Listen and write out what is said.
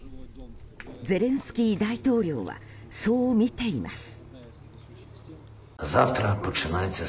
ゼレンスキー大統領はそうみています。